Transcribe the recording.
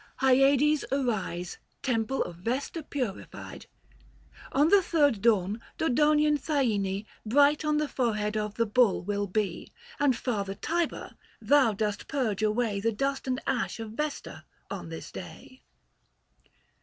XVII. KAL. JUL. HYADES AKISE. PUPJFIED. TEMPLE OF VESTA On the third dawn Dodonian Thyene Bright on the forehead of the bull will be ; And, Father Tiber, thou dost purge away The dust and ash of Vesta on this day.